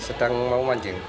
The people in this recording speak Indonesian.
sedang mau mancing